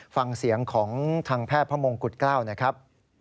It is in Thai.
ฟังเสียงของทางแพทย์พระมงกุฎเกล้าหน่อยครับ